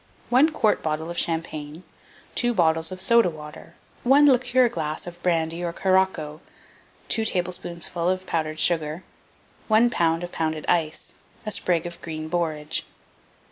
1 quart bottle of champagne, 2 bottles of soda water, 1 liqueur glass of brandy or Curaçoa, 2 tablespoonfuls of powdered sugar, 1 lb. of pounded ice, a sprig of green borage.